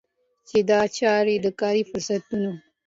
چي دا چاره د کاري فرصتونو